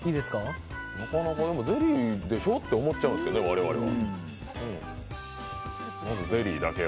ゼリーでしょ？って思っちゃうんですけど我々は。